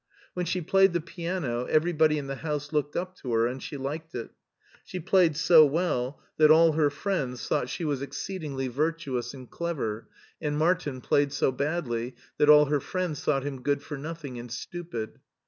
When she played the piano everybody in the house looked up to her and she liked it. She played so well that all her friends thought she was ex » 8 MARTIN SCHULER ceedingly virtuous and clever, and Martin played so badly that all her friends thought him good for nothing and stupid.